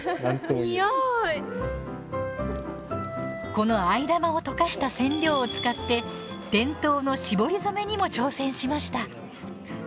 この藍玉を溶かした染料を使って伝統の絞り染めにも挑戦しました。